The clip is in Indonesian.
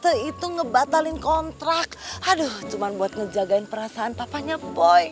se itu ngebatalin kontrak aduh cuma buat ngejagain perasaan papanya boy